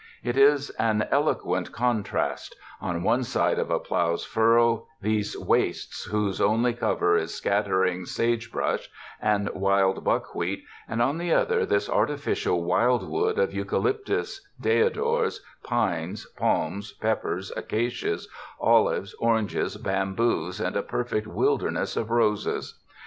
It is an eloquent contrast — on one side of a plough's furrow these wastes whose only cover is scattering sage brush and wild buck wheat, and on the other this artificial wildwood of eucalyptus, deodars, pines, palms, peppers, acacias, olives, oranges, bamboos and a perfect wilderness of roses.